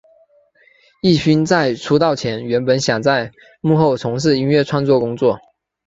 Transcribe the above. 镒勋在出道前原本想在幕后从事音乐创作工作。